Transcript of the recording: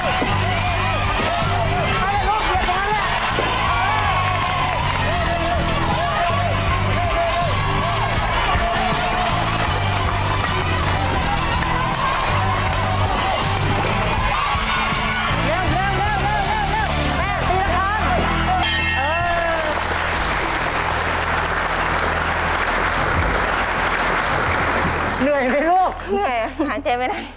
เหนื่อยหายใจไม่ทัน